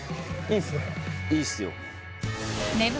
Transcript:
いいっすよ